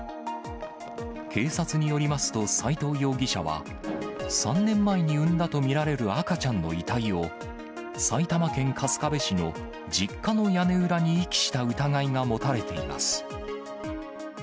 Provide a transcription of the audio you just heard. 警察によりますと、斎藤容疑者は３年前に産んだと見られる赤ちゃんの遺体を、埼玉県春日部市の実家の屋根裏に遺棄した疑いが持たれています。